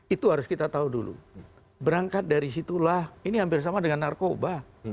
itu harus kita tahu dulu berangkat dari situlah ini hampir sama dengan narkoba